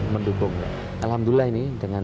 mendukung alhamdulillah ini dengan